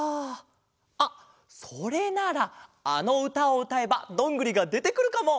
あっそれならあのうたをうたえばどんぐりがでてくるかも。